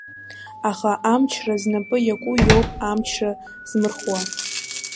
Аха амчра знапы иаку иоуп амчра змырхуа.